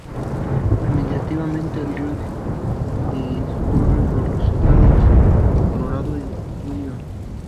Administrativamente, el río discurre por los estados de Colorado y Wyoming.